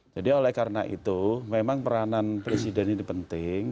jadi oleh karena itu memang peranan presiden ini penting